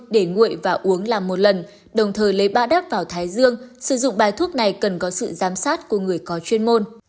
để nguội và uống làm một lần đồng thời lấy badap vào thái dương sử dụng bài thuốc này cần có sự giám sát của người có chuyên môn